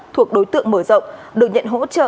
thuộc đối tượng mở rộng được nhận hỗ trợ